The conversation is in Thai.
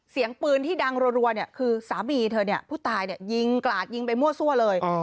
เสียงปืนที่ดังรัวคือสามีเธอเนี่ยผู้ตายยิงกราดยิงไปมั่วซั่วเลย